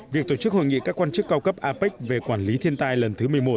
việc tổ chức hội nghị các quan chức cao cấp apec về quản lý thiên tai lần thứ một mươi một